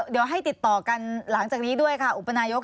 เดี๋ยวให้ติดต่อกันหลังจากนี้ด้วยค่ะอุปนายก